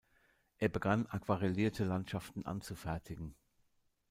Er begann aquarellierte Landschaften anzufertigen.